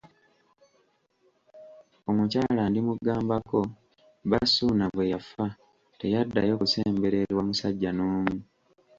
Omukyala Ndimugambako, bba Ssuuna bwe yafa, teyaddayo kusembererwa musajja n'omu.